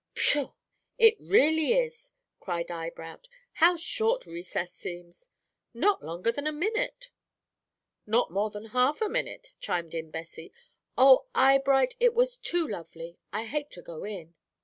"Pshaw, it really is!" cried Eyebright. "How short recess seems! Not longer than a minute." "Not more than half a minute," chimed in Bessie. "Oh, Eyebright, it was too lovely! I hate to go in."